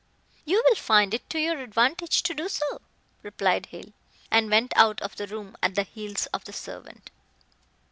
"You will find it to your advantage to do so," replied Hale, and went out of the room at the heels of the servant.